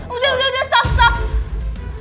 udah udah stop stop